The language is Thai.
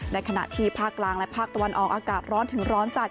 ขณะที่ภาคกลางและภาคตะวันออกอากาศร้อนถึงร้อนจัด